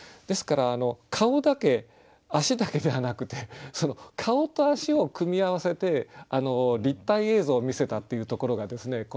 ですから顔だけ足だけではなくてその顔と足を組み合わせて立体映像を見せたっていうところがですね